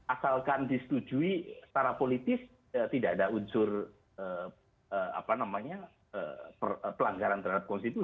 asalkan disetujui secara politis tidak ada unsur pelanggaran terhadap konstitusi